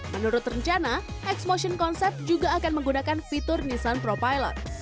menurut rencana exmotion concept juga akan menggunakan fitur nissan pro pilot